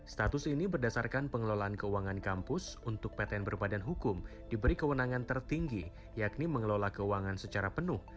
status ini berdasarkan pengelolaan keuangan kampus untuk ptn berbadan hukum diberi kewenangan tertinggi yakni mengelola keuangan secara penuh